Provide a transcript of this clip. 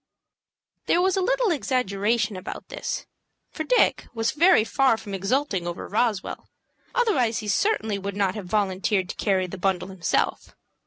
There was a little exaggeration about this, for Dick was very far from exulting over Roswell, otherwise he certainly would not have volunteered to carry the bundle himself.